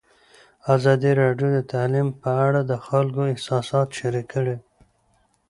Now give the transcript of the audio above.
ازادي راډیو د تعلیم په اړه د خلکو احساسات شریک کړي.